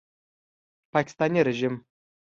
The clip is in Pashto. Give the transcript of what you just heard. پاکستاني ریژیم